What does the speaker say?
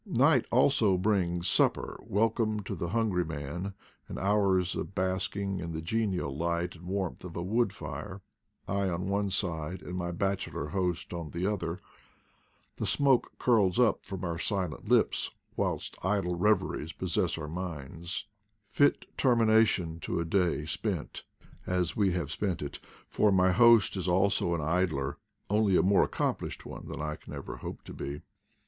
Night also brings supper, welcome to the hun gry man, and hours of basking in the genial light and warmth of a wood fire, I on one side, and my bachelor host on the other. The smoke curls up from our silent lips, whilst idle reveries possess our minds — fit termination of a day spent as we ^/% *5&m*> DOLICHOTIS PATAGONICA a ■ M. 4 CALODROMAS ELEGANS IDLE DAYS 131 have spent it: for my host is also an idler, only a more accomplished one than I can ever hope to be.